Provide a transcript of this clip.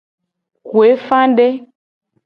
Kuefade.